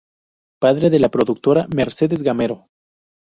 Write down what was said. Padre de la productora Mercedes Gamero.